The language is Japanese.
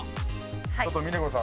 ちょっと峰子さん。